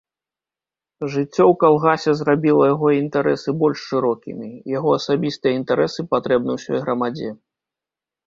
Жыццё ў калгасе зрабіла яго інтарэсы больш шырокімі, яго асабістыя інтарэсы патрэбны ўсёй грамадзе.